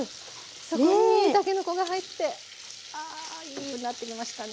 そこにたけのこが入ってああいい色になってきましたね。